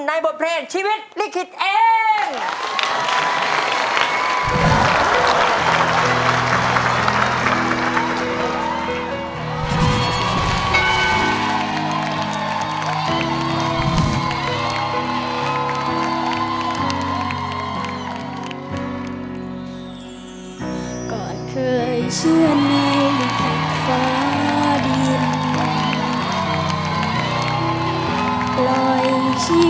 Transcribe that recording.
บทเพลงชีวิตลิขิตเอง